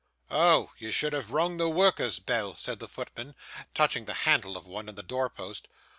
'Oh! you should have rung the worker's bell,' said the footman, touching the handle of one in the door post.